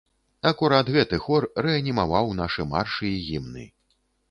Акурат гэты хор рэанімаваў нашы маршы і гімны.